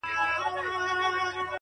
مـــــه كـــــوه او مـــه اشـــنـــا.!